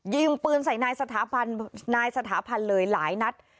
ยิงปืนใส่นายสถาพันธ์นายสถาพันธ์เลยหลายนัด